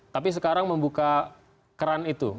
tapi sekarang membuka keran itu